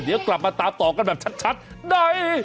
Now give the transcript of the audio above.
เดี๋ยวกลับมาตามต่อกันแบบชัดใน